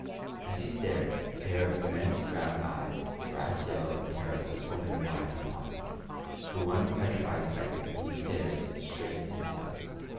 As he stared, a pair of immense round eyes, brass yellow and terrible, opened wide upon him. For one petrified second he stared straight into them.